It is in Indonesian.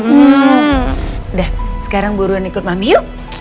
hmm udah sekarang buruan ikut mami yuk